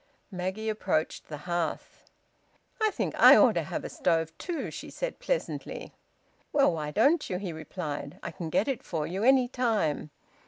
Maggie approached the hearth. "I think I ought to have a stove too," she said pleasantly. "Well, why don't you?" he replied. "I can get it for you any time."